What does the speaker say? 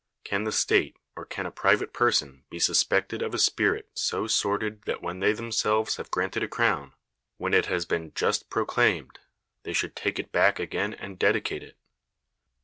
Can flw stale or can a private person be suspected of a spii it so sordid that when they tueiiist'lvfs have granted a crown, THE WORLD'S FAMOUS ORATIONS when it has been just proclaimed, they should ra're it back again and dedicate it?